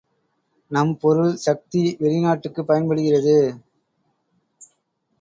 நம் பொருள் சக்தி வெளி நாட்டுக்குப் பயன்படுகிறது.